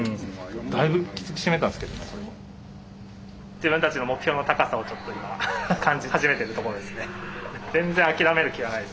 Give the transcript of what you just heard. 自分たちの目標の高さをちょっと今感じ始めてるところですね。